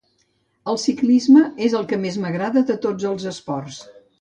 El ciclisme és el que més m'agrada de tots els esports.